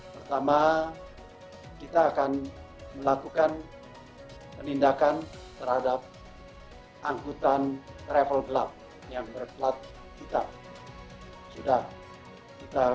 pertama kita akan melakukan penindakan terhadap angkutan travel gelap yang berkelat kita sudah